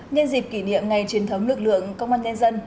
nhân dịp kỷ niệm ngày truyền thống lực lượng công an nhân dân